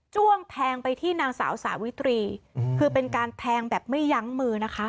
้วงแทงไปที่นางสาวสาวิตรีคือเป็นการแทงแบบไม่ยั้งมือนะคะ